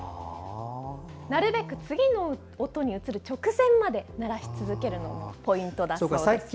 なるべく次の音に移る直前まで鳴らし続けるのがポイントだそうですよ。